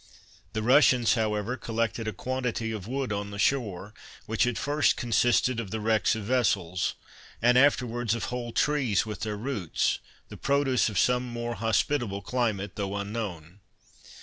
The Russians, however, collected a quantity of wood on the shore, which at first consisted of the wrecks of vessels, and afterwards of whole trees with their roots, the produce of some more hospitable climate, though unknown.